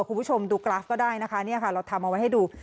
คุณผู้ชมดูกราฟก็ได้นะคะเนี่ยค่ะเราทำเอาไว้ให้ดู